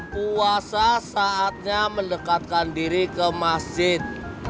puasa saatnya mendekatkan diri ke masjid